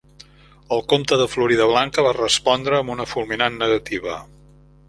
El Comte de Floridablanca va respondre amb una fulminant negativa.